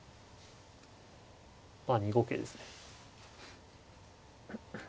まあ２五桂ですね。